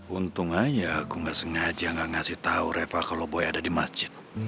untung aja aku gak sengaja gak ngasih tau reva kalo boy ada di masjid